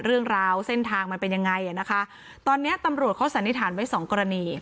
เรื่องราวเส้นทางมันเป็นยังไงอ่ะนะคะตอนเนี้ยตำรวจเขาสันนิษฐานไว้สองกรณี